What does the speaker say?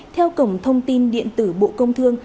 theo cổng thông tin điện tử bộ công thương